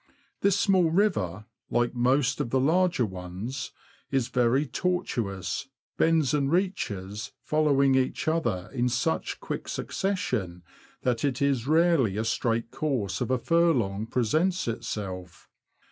This small river, Hke most of the larger ones, is very tortuous, bends and reaches following each other in such quick succession that it is rarely a straight course of a furlong presents itself.